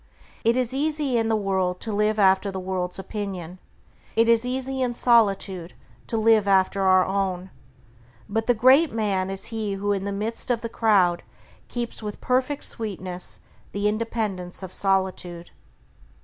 "It is easy in the world to live after the world's opinion; it is easy in solitude to live after our own; but the great man is he who in the midst of the crowd keeps with perfect sweetness the independence of solitude."